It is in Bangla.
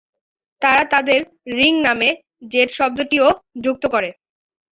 তারা তাদের রিং নামে "জেট" শব্দটিও যুক্ত করে।